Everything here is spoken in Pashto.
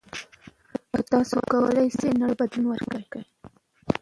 تاسو کولای شئ نړۍ ته بدلون ورکړئ.